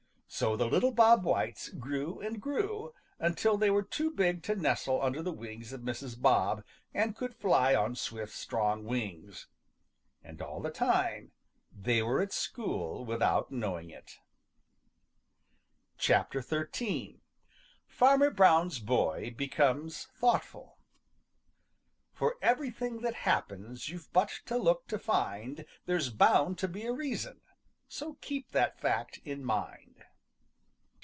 So the little Bob Whites grew and grew until they were too big to nestle under the wings of Mrs. Bob and could fly on swift strong wings. And all the time they were at school without knowing it. XIII. FARMER BROWN'S BOY BECOMES THOUGHTFUL ````For everything that happens `````You've but to look to find ````There's bound to be a reason; `````So keep that fact in mind.